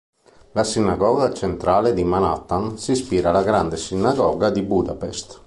La sinagoga centrale di Manhattan si ispira alla Grande Sinagoga di Budapest.